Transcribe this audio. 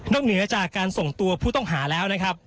เหนือจากการส่งตัวผู้ต้องหาแล้วนะครับ